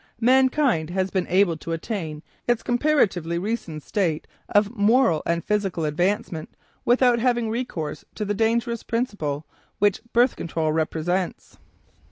Mankind has been able to attain its comparatively recent state of moral and physical advancement without having recourse to the dangerous principle which "birth control" represents.